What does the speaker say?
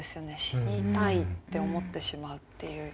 「死にたい」って思ってしまうっていう。